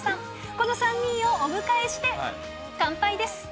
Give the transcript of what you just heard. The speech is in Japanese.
この３人をお迎えして、乾杯です。